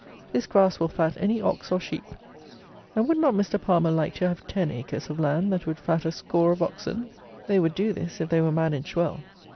This grass will fat any ox, or sheep; and would not Mr. Palmer like to have ten acres of land that would fat a score of oxen? They would do this, if they were managed well.